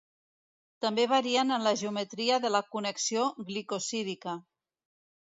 També varien en la geometria de la connexió glicosídica.